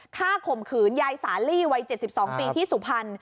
ข่มขืนยายสาลีวัย๗๒ปีที่สุพรรณ